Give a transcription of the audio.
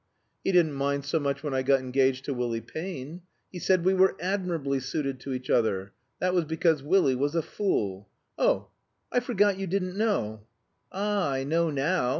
"He didn't mind so much when I got engaged to Willie Payne. He said we were admirably suited to each other. That was because Willie was a fool. Oh I forgot you didn't know!" "Ah, I know now.